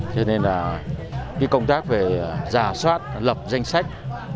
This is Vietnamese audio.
cho nên là cái công tác về giả soát lập danh sách